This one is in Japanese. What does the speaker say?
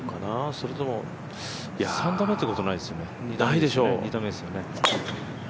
それとも３打目ってことないですよね、２打目ですよね。